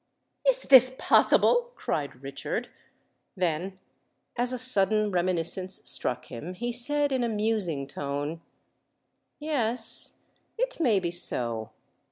"Is this possible?" cried Richard: then, as a sudden reminiscence struck him, he said in a musing tone, "Yes—it may be so.